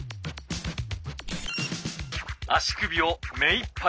足首をめいっぱい